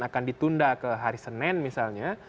akan ditunda ke hari senin misalnya